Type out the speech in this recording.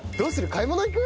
買い物行く？